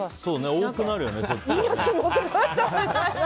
多くなるよね。